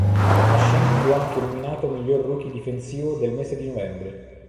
Cushing fu anche nominato miglior rookie difensivo del mese di novembre.